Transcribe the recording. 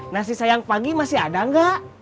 nasi sayang pagi masih ada nggak